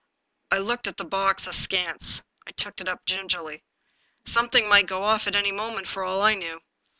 I looked at the box askance. I took it up gingerly. Something might go off at any moment for all I knew.